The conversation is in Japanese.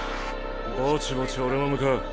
ぼちぼち俺も向かう。